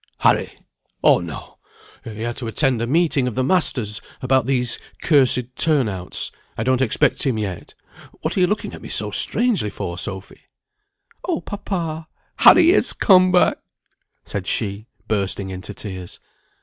"Harry! oh no! he had to attend a meeting of the masters about these cursed turn outs. I don't expect him yet. What are you looking at me so strangely for, Sophy?" "Oh, papa, Harry is come back," said she, bursting into tears.